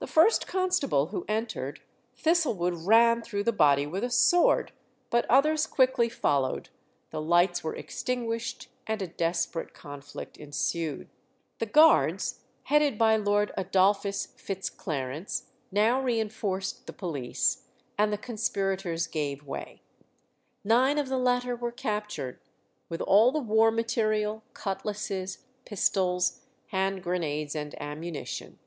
The first constable who entered Thistlewood ran through the body with a sword, but others quickly followed, the lights were extinguished, and a desperate conflict ensued. The Guards, headed by Lord Adolphus Fitz Clarence, now reinforced the police, and the conspirators gave way. Nine of the latter were captured, with all the war material, cutlasses, pistols, hand grenades, and ammunition.